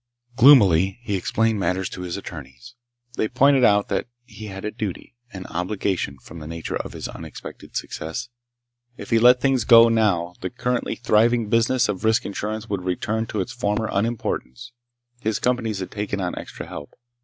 Gloomily, he explained matters to his attorneys. They pointed out that he had a duty, an obligation, from the nature of his unexpected success. If he let things go, now, the currently thriving business of risk insurance would return to its former unimportance. His companies had taken on extra help.